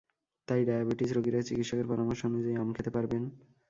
তাই ডায়াবেটিস রোগীরা চিকিৎসকের পরামর্শ অনুযায়ী আম খেতে পারবেন।